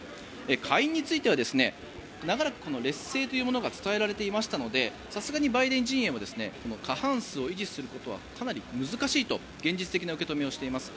下院については長らく劣勢というものが伝えられていましたのでさすがにバイデン陣営も過半数を維持することはかなり難しいと現実的な受け止めをしています。